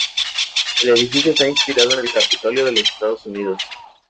El edificio está inspirado en el Capitolio de los Estados Unidos.